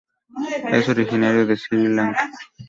Es originario de Sri Lanka.